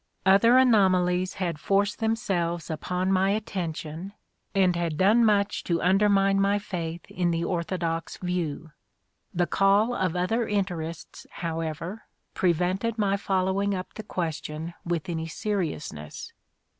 Other anomalies had forced them selves upon my attention and had done much to I INTRODUCTION 15 undermine my faith in the orthodox view. The call of other interests, however, prevented my follow ing up the question with any seriousness.